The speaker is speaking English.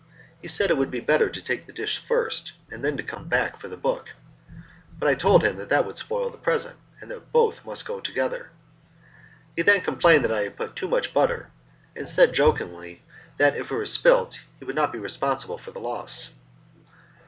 He said it would be better to take the dish first, and then to come back for the book; but I told him that this would spoil the present, and that both must go together. He then complained that I had put in too much butter, and said, jokingly, that if it were spilt he would not be responsible for the loss.